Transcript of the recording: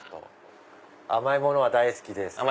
甘いものは大好きです。